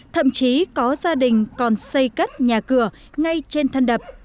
thậm chí có gia đình còn xây cất nhà cửa ngay trên thân đập